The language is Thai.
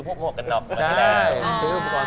พากลางจริงปรากฏ